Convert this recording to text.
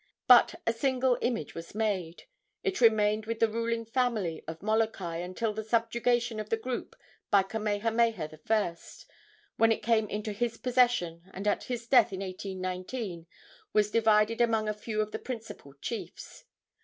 But a single image was made. It remained with the ruling family of Molokai until the subjugation of the group by Kamehameha I., when it came into his possession, and at his death, in 1819, was divided among a few of the principal chiefs.